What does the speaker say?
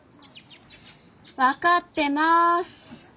分かってます。